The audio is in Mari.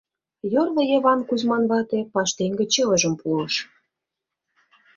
Йорло Йыван Кузьман вате паштеҥге чывыжым пуыш...